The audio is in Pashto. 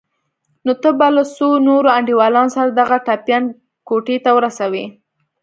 نو ته به له څو نورو انډيوالانو سره دغه ټپيان کوټې ته ورسوې.